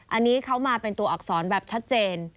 อันนี้เขามาเป็นตัวอักษรแบบชัดเจน